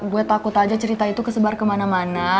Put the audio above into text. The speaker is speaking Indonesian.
gue takut aja cerita itu kesebar kemana mana